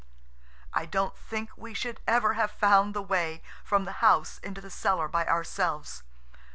I don't think we should ever have found the way from the house into the cellar by ourselves.